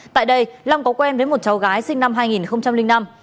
tại đây long có quen với một cháu gái sinh năm hai nghìn năm